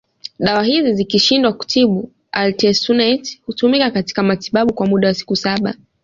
Dawa hizi zikishindwa kutibu Artesunate hutumika katika matibabu kwa muda wa siku saba